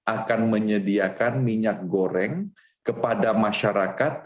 akan menyediakan minyak goreng kepada masyarakat